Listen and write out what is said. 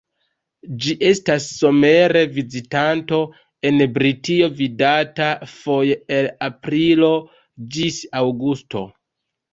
Ĝi estas somere vizitanto en Britio, vidata foje el aprilo ĝis aŭgusto.